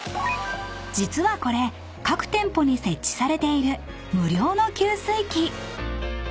［実はこれ各店舗に設置されている無料の給水機］